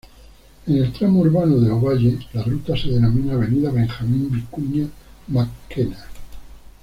En el tramo urbano de Ovalle la ruta se denomina avenida Benjamín Vicuña Mackenna.